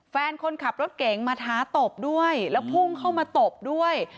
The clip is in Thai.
แฟนคลับรถเก๋งมาท้าตบด้วยแล้วพุ่งเข้ามาตบด้วย